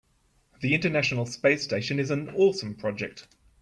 The international space station is an awesome project.